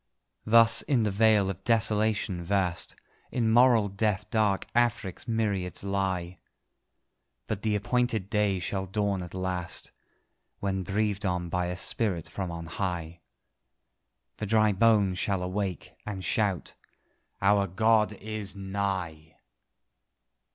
Thus, in the vale of desolation vast, In moral death dark Afric's myriads lie; But the appointed day shall dawn at last, When breathed on by a spirit from on high, The dry bones shall awake, and shout "Our God is nigh!"